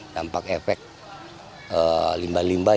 dampak efek limbah limbah yang mana kategori limbah itu beracun